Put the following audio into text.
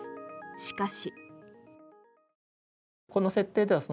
しかし。